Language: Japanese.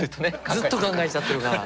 ずっと考えちゃってるから。